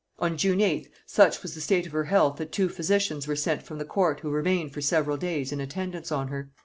On June 8th such was the state of her health that two physicians were sent from the court who remained for several days in attendance on her.